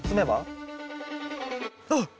あっ！